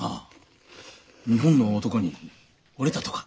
日本の男にほれたとか。